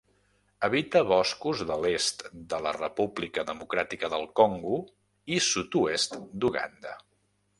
Habita boscos de l'est de la República Democràtica del Congo i sud-oest d'Uganda.